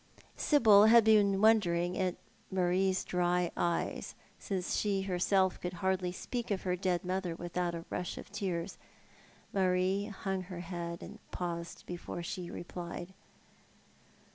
Sibyl had been wondering at Marie's dry eyes, since she herself could hardly speak of her dead mother without a rush of tears. Marie hung her head, and paused before she replied.